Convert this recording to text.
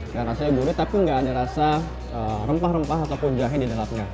dan rasanya gurih tapi nggak ada rasa rempah rempah atau kunjahnya di dalamnya